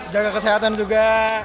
jaga kesehatan juga